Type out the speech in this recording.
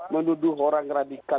menuduh orang radikal